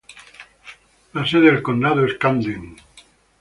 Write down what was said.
La sede del condado es Camden.